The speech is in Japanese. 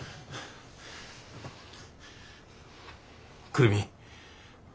久留美。